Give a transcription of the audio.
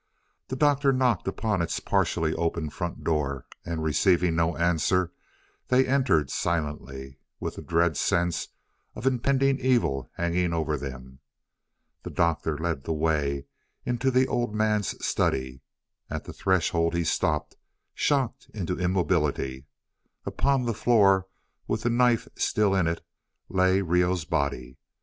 The Doctor knocked upon its partially open front door, and, receiving no answer, they entered silently, with the dread sense of impending evil hanging over them. The Doctor led the way into the old man's study. At the threshold he stopped, shocked into immobility. Upon the floor, with the knife still in it, lay Reoh's body.